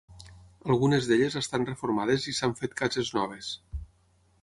Algunes d'elles estan reformades i s'han fet cases noves.